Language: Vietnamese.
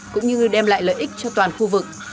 cũng như đem lại lợi ích cho toàn khu vực